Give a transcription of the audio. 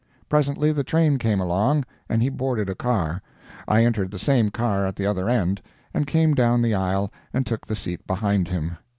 Presently the train came along, and he boarded a car; I entered the same car at the other end, and came down the aisle and took the seat behind him.